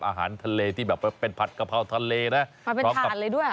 อาหารทะเลที่แบบเป็นผัดกะเพราทะเลนะพร้อมผัดเลยด้วย